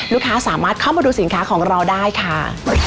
ลูกค้าสามารถเข้ามาดูสินค้าของเราได้ค่ะ